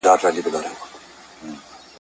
کشپ غوښتل جواب ورکړي په ښکنځلو ..